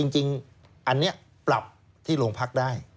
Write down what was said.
จริงอันนี้ปรับที่โรงพักได้